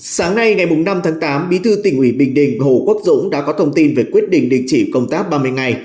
sáng nay ngày năm tháng tám bí thư tỉnh ủy bình đình hồ quốc dũng đã có thông tin về quyết định đình chỉ công tác ba mươi ngày